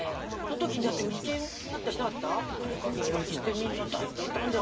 あの時にだって売り切れになったりしなかった？